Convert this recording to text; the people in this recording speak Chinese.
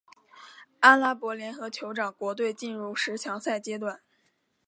阿拉伯联合酋长国队进入十强赛阶段。